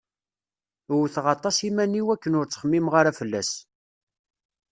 Wwteɣ aṭas iman-iw akken ur ttxemmimeɣ ara fell-as.